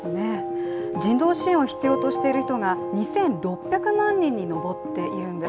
人道支援を必要としている人が２６００万人に上っているんです。